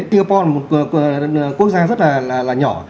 singapore là một quốc gia rất là nhỏ